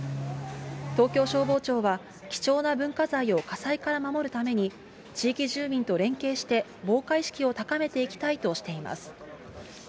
東京消防庁は、貴重な文化財を火災から守るために、地域住民と連携して、防火意識を高めていきたいとしています。